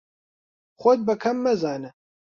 خۆت بە کەم مەزانە.